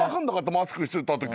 マスクしてたとき。